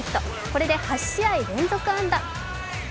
これで８試合連続安打。